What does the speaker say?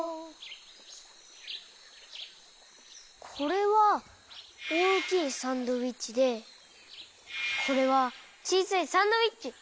これはおおきいサンドイッチでこれはちいさいサンドイッチ。